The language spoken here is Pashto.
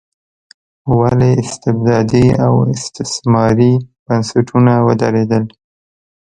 ولې استبدادي او استثماري بنسټونه ودرېدل.